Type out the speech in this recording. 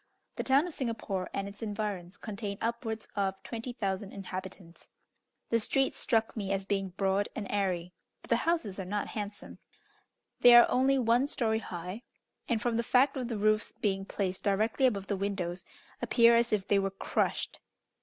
The town of Singapore and its environs contain upwards of 20,000 inhabitants. The streets struck me as being broad and airy, but the houses are not handsome. They are only one story high; and, from the fact of the roof's being placed directly above the windows, appear as if they were crushed.